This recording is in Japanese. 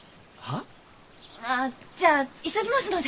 ああじゃあ急ぎますので。